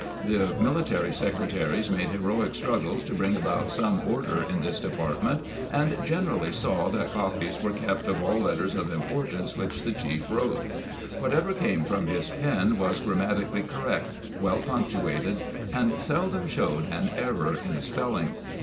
The military secretaries made heroic struggles to bring about some order in this department, and generally saw that copies were kept of all letters of importance which the chief wrote. Whatever came from his pen was grammatically correct, well punctuated, and seldom showed an error in spelling.